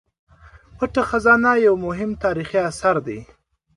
پټه خزانه یو مهم تاریخي اثر دی.